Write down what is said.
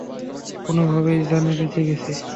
কোনভাবে জানে বেঁচে গেছি।